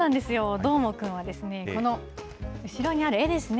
どーもくんはですね、この後ろにある絵ですね。